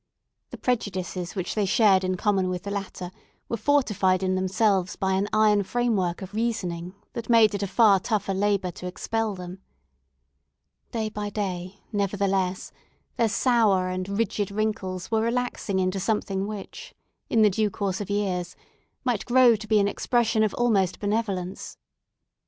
The prejudices which they shared in common with the latter were fortified in themselves by an iron frame work of reasoning, that made it a far tougher labour to expel them. Day by day, nevertheless, their sour and rigid wrinkles were relaxing into something which, in the due course of years, might grow to be an expression of almost benevolence.